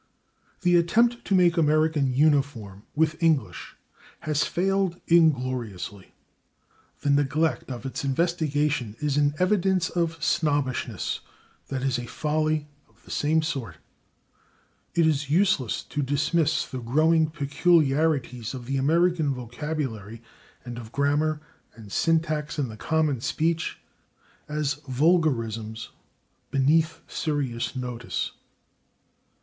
The attempt to make American uniform with English has failed ingloriously; the neglect of its investigation is an evidence of snobbishness that is a folly of the same sort. It is useless to dismiss the growing peculiarities of the American vocabulary and of grammar and syntax in the common speech as vulgarisms beneath serious notice.